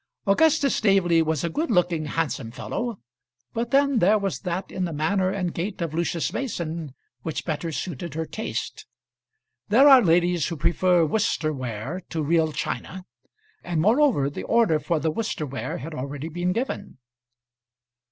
Augustus Staveley was a good looking handsome fellow, but then there was that in the manner and gait of Lucius Mason which better suited her taste. There are ladies who prefer Worcester ware to real china; and, moreover, the order for the Worcester ware had already been given.